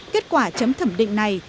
kết quả chấm thẩm định này